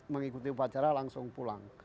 mengikuti upacara langsung pulang